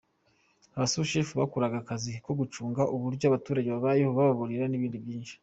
Abasushefu bakoraga akazi ko gucunga uburyo abaturage babayeho, kubabarura n’ibindi byinshi.